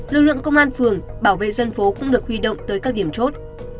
lực lượng công an phường bảo vệ dân phố cũng được huy động tới các điểm chốt